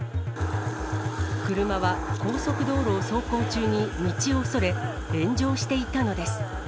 車は高速道路を走行中に道をそれ、炎上していたのです。